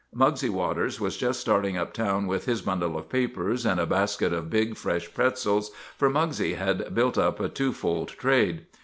Mugsy Waters was just starting uptown with his bundle of papers and a basket of big, fresh pretzels, for Mugsy had built up a two fold trade.